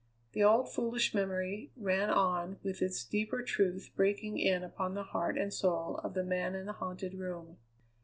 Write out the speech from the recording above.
The old, foolish memory ran on with its deeper truth breaking in upon the heart and soul of the man in the haunted room.